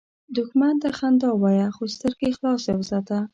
دښمن ته خندا وایه، خو سترګې خلاصه وساته